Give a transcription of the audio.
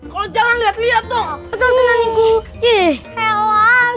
kalau jangan lihat lihat dong